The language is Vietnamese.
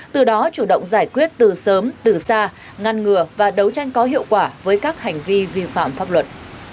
từ đó chủ động giải quyết từ sớm từ xa ngăn ngừa và đấu tranh có hiệu quả với các hành vi vi phạm pháp luật